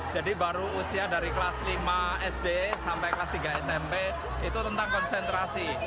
jadi baru usia dari kelas lima sd sampai kelas tiga smp itu tentang konsentrasi